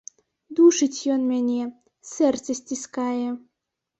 Душыць ён мяне, сэрца сціскае.